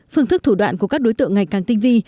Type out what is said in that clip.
phương thức thủ đoạn của các đối tượng ngày càng tinh vi